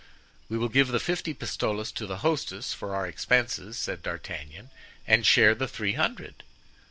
"We will give the fifty pistoles to the hostess for our expenses," said D'Artagnan, "and share the three hundred."